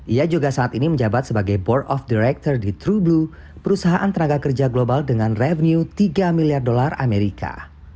ia juga saat ini menjabat sebagai board of director di true blue perusahaan tenaga kerja global dengan revenue tiga miliar dolar amerika